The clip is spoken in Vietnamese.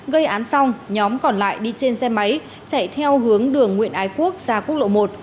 gây án xong nhóm còn lại đi trên xe máy chạy theo hướng đường nguyễn ái quốc ra quốc lộ một